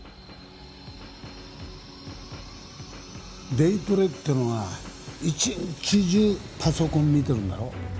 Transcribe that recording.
デイトレってのは一日中パソコン見てるんだろ？